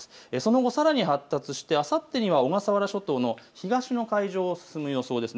その後、さらに発達してあさってには小笠原諸島の東の海上を進む予想です。